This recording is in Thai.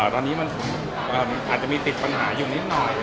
ตอนนี้อาจจะมีติดปัญหาอยู่นิดนึง